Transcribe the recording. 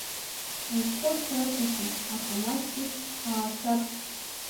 Азхәыцра аҭахым, аха маҷкгьы ҳаашәап.